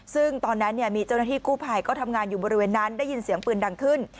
ซึ่งตอนนั้นมีเจ้าหน้าที่กู้ภัยก็ทำงานอยู่บริเวณนั้นได้ยินเสียงปืนดังขึ้น